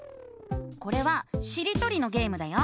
これはしりとりのゲームだよ。